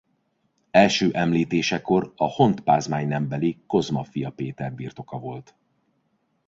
Első említésekor a Hont-Pázmány nembeli Kozma fia Péter birtoka volt.